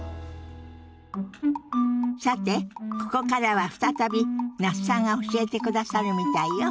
さてここからは再び那須さんが教えてくださるみたいよ。